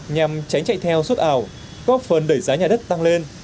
nhằm tránh chạy theo xuất ảo góp phần đẩy giá nhà đất tăng lên